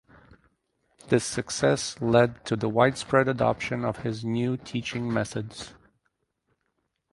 This success led to the widespread adoption of his new teaching methods.